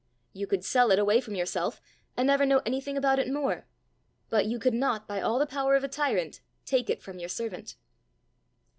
You could sell it away from yourself, and never know anything about it more; but you could not by all the power of a tyrant take it from your servant."